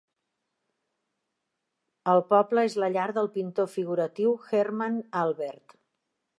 El poble és la llar del pintor figuratiu Hermann Albert.